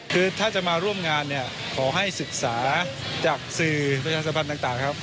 คือถ้าจะมาร่วมงานขอให้ศึกษาจากสื่อประชาชนภัณฑ์ต่างครับ